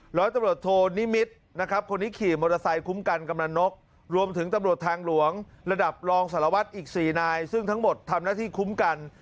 หลอยตำรวจโธรนิมิตนะครับคนนี้ขี่มอเตอร์ไซต์คุ้มกัน